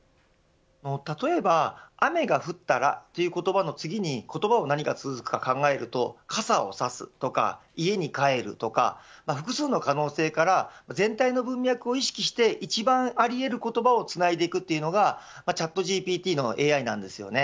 例えば、雨が降ったらという言葉の次に言葉は何か続くか考えると傘を差すとか家に帰るとか複数の可能性から全体の文脈を意識して一番ありえる言葉をつないでいくというのがチャットＧＰＴのＡＩなんですよね。